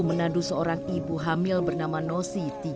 menadu seorang ibu hamil bernama nosi